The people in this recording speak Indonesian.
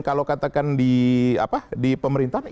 kalau katakan di pemerintahan